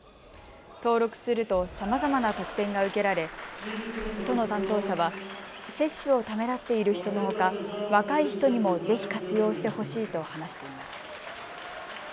登録するとさまざまな特典が受けられ都の担当者は、接種をためらっている人のほか若い人にもぜひ活用してほしいと話しています。